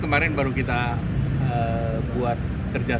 kemarin baru kita buat kerjasama